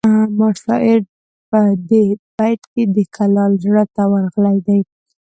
شاعر په دې بیت کې د کلال زړه ته ورغلی دی